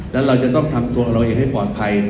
และเราจะต้องทำตัวเราอย่างให้ปลอดภัย